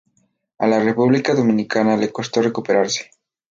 A la República Dominicana le costo recuperarse.